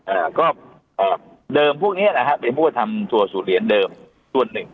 อ่าก็เอ่อเดิมพวกเนี้ยนะฮะเป็นพวกทำทัวร์ศูนย์เหรียญเดิมส่วนหนึ่ง